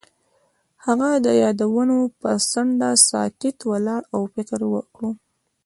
هغه د یادونه پر څنډه ساکت ولاړ او فکر وکړ.